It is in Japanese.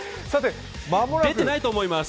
出てないと思います。